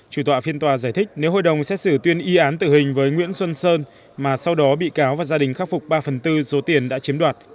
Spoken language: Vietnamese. chủ tọa phiên tòa giải thích nếu hội đồng xét xử tuyên y án tử hình với nguyễn xuân sơn mà sau đó bị cáo và gia đình khắc phục ba phần tư số tiền đã chiếm đoạt